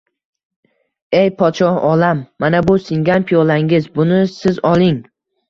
Ey, podshohi olam, mana bu singan piyolangiz, buni siz oling